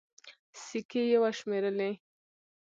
سيکې يې وشمېرلې.